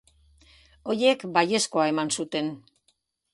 Horiek baiezkoa eman zuten.